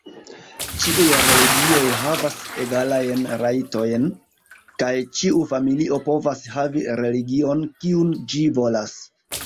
Ĉiuj religioj havas egalajn rajtojn, kaj ĉiu familio povas havi religion, kiun ĝi volas.